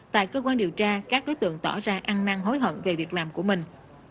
tại cơ quan điều tra các đối tượng tỏ ra ăn năng hối hận về việc làm của mình